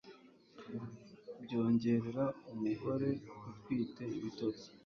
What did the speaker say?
byongerera umugore utwite ibitotsi